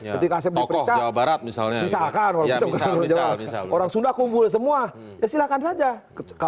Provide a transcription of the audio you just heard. ketika asep diperiksa misalkan orang sunda kumpul semua ya silakan saja